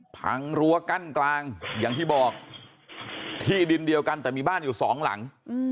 รั้วกั้นกลางอย่างที่บอกที่ดินเดียวกันแต่มีบ้านอยู่สองหลัง